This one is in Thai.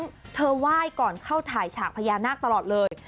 ซึ่งเธอไหว้ก่อนเข้าถ่ายฉากพญานาคตลอดเลย